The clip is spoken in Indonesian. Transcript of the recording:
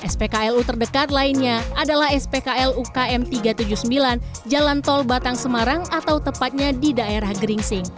spklu terdekat lainnya adalah spklu km tiga ratus tujuh puluh sembilan jalan tol batang semarang atau tepatnya di daerah geringsing